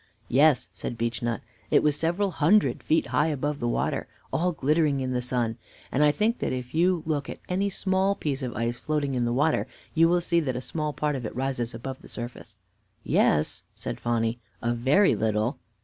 "Yes," said Beechnut, "it was several hundred feet high above the water, all glittering in the sun. And I think that if you look at any small piece of ice floating in the water, you will see that a small part of it rises above the surface." "Yes," said Phenny, "a very little."